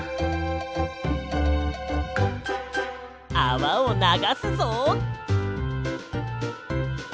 あわをながすぞ！